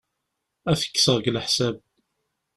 Ad t-kkseɣ deg leḥsab.